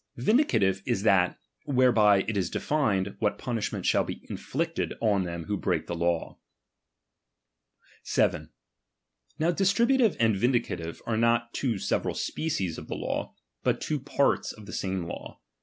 Vindicative is that, whereby it is defined what punishment shall be inflicted on them who break the law, 7. Now distributive and vindicative are not two fc several species of the laws, but two parts of the "■ same law.